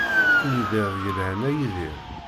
Ini-d iḍ yelhan a Yidir.